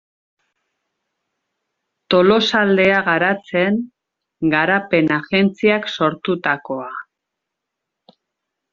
Tolosaldea Garatzen garapen agentziak sortutakoa.